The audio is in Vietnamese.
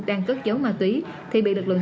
đang cất giấu ma túy thì bị lực lượng